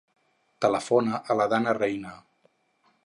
Telefona a la Danna Reina.